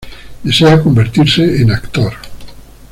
Desea convertirse en actor.